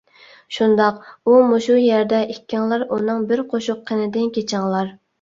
شۇنداق، ئۇ مۇشۇ يەردە. ئىككىڭلار ئۇنىڭ بىر قوشۇق قېنىدىن كېچىڭلار.